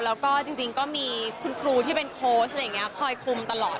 แล้วก็จริงก็มีคุณครูที่เป็นโค้ชอะไรอย่างนี้คอยคุมตลอด